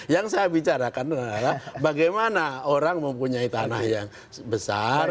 yang saya bicarakan adalah bagaimana orang mempunyai tanah yang besar